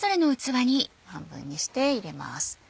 半分にして入れます。